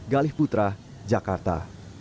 galih putra jakarta